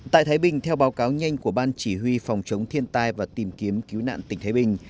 tại thái bình theo báo cáo nhanh của ban chỉ huy phòng chống thiên tai và tìm kiếm cứu nạn tỉnh thái bình